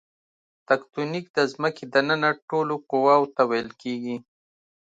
تکتونیک د ځمکې دننه ټولو قواوو ته ویل کیږي.